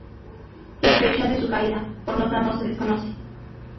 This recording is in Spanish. La fecha de su caída por lo tanto se desconoce.